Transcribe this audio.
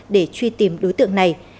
để truy tìm đối tượng này